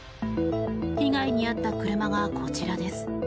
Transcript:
被害に遭った車がこちらです。